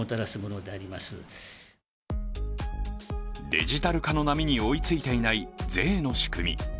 デジタル化の波に追いついていない税の仕組み。